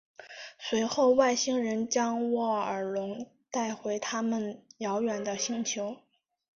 随后外星人将沃尔隆带回他们遥远的星球。